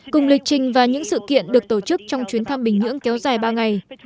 cùng lịch trình và những sự kiện được tổ chức trong chuyến thăm bình nhưỡng kéo dài ba ngày